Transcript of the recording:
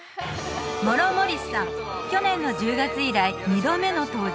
モロ・モリスさん去年の１０月以来２度目の登場